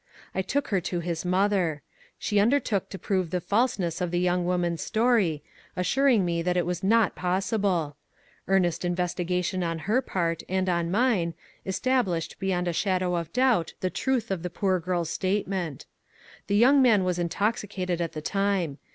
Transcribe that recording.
I took her to his mother. She undertook to prove the falseness of the young woman's story, assuring me that it was not pos SHADOWED LIVES. 385 Bible. Earnest investigation on her part, and on mine, established beyond a shadow of doubt the truth of the poor girl's statement. The young man was intoxicated at the time.